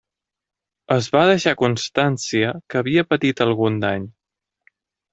Es va deixar constància que havia patit algun dany.